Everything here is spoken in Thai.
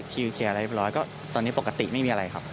คิวเคลียร์อะไรเรียบร้อยก็ตอนนี้ปกติไม่มีอะไรครับ